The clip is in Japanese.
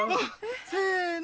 せの。